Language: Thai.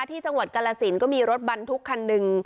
ที่จังหวัดกาลสินก็มีรถบรรทุกคันหนึ่ง